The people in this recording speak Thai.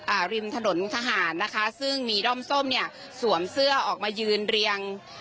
ริมถนนทหารนะคะซึ่งมีด้อมส้มเนี้ยสวมเสื้อออกมายืนเรียง